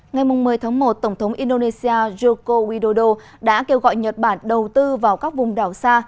ngày một mươi tháng một tổng thống indonesia joko widodo đã kêu gọi nhật bản đầu tư vào các vùng đảo xa